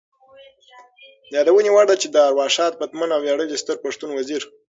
د یادونې وړ ده چې د ارواښاد پتمن او ویاړلي ستر پښتون وزیر